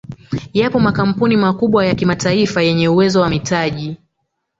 Yapo makampuni makubwa ya kimataifa yenye uwezo wa mitaji